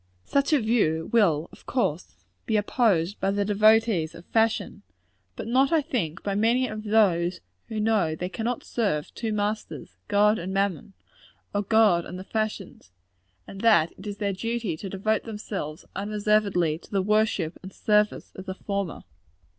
Such a view will, of course, be opposed by the devotees of fashion; but not, I think, by many of those who know they cannot serve two masters God and mammon, or God and the fashions and that it is their duty to devote themselves, unreservedly, to the worship and service of the former.